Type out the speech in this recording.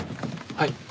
はい。